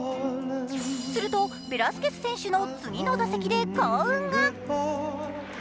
するとベラスケス選手の次の打席で幸運が。